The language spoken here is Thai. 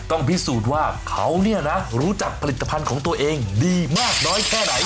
ต้องพิสูจน์ว่าเขาเนี่ยนะรู้จักผลิตภัณฑ์ของตัวเองดีมากน้อยแค่ไหน